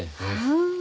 ああ。